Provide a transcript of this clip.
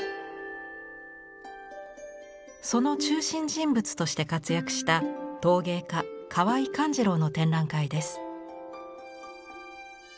その中心人物として活躍した陶芸家河井次郎の展覧会です。